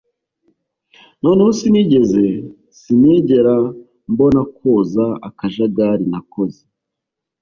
Noneho sinigeze sinigera mbona koza akajagari nakoze